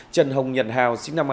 trần hồng nhật hào sinh năm hai nghìn